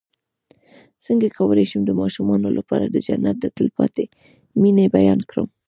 څنګه کولی شم د ماشومانو لپاره د جنت د تل پاتې مینې بیان کړم